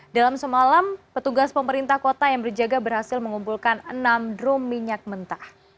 dalam semalam petugas pemerintah kota yang berjaga berhasil mengumpulkan enam drum minyak mentah